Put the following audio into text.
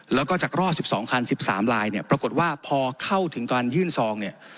แล้วก็จากรอด๑๒คัน๑๓ลายเนี่ยปรากฏว่าพอเข้าถึงการยื่นซองเนี่ย